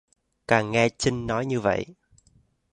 càng nghe chinh nói như vậy